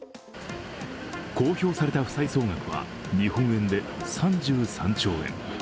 公表された負債総額は日本円で３３兆円。